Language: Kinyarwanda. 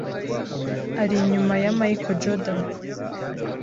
ari inyuma ya Michael Jordan